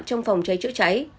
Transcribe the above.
trong phòng cháy chữa cháy